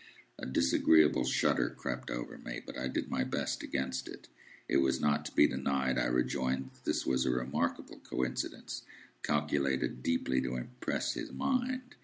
A disagreeable shudder crept over me, but I did my best against it. It was not to be denied, I rejoined, that this was a remarkable coincidence, calculated deeply to impress his mind.